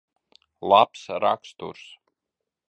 Labs raksturs.